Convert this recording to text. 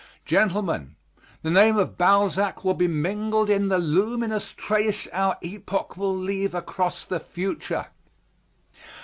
Gentlemen, the name of Balzac will be mingled in the luminous trace our epoch will leave across the future.